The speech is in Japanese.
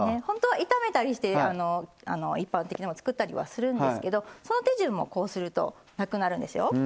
ほんとは炒めたりして一般的なの作ったりはするんですけどその手順もこうするとなくなるんですよ。